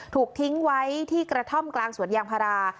ถูกทิ้งไว้ที่กระท่อมกลางสวนยางพารา